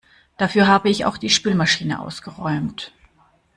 Dafür habe ich auch die Spülmaschine ausgeräumt.